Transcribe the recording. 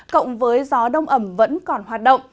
cộng với gió đông ẩm vẫn còn hoạt động